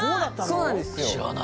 そうなんですよ